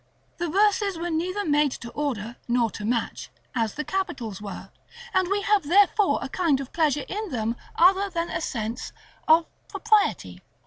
The verses were neither made to order, nor to match, as the capitals were; and we have therefore a kind of pleasure in them other than a sense of propriety.